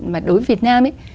mà đối với việt nam ấy